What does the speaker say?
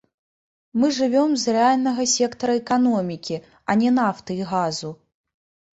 Мы жывём з рэальнага сектара эканомікі, а не нафты і газу.